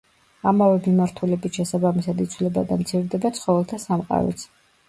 ამავე მიმართულებით შესაბამისად იცვლება და მცირდება ცხოველთა სამყაროც.